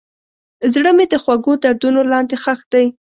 زړه مې د خوږو دردونو لاندې ښخ دی.